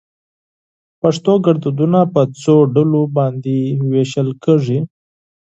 پښتو ګړدودونه په څو ډلو باندي ويشل کېږي؟